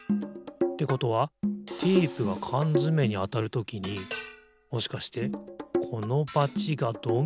ってことはテープがかんづめにあたるときにもしかしてこのバチがドミノをたおす？